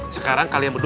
sekarang kalian berdua